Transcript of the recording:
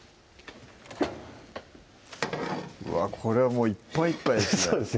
うわこれはもういっぱいいっぱいですね